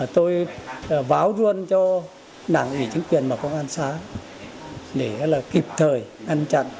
tôi váo ruân cho đảng ủy chính quyền và công an xã để là kịp thời ngăn chặn